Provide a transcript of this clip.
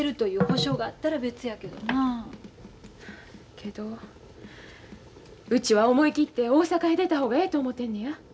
けどうちは思い切って大阪へ出た方がええと思てんのや。